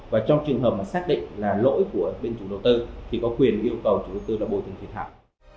và trong trường hợp mà xác định là lỗi của bên chủ đầu tư thì có quyền yêu cầu chủ tư là bồi tình thiệt hẳn